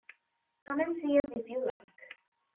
Come and see us if you like.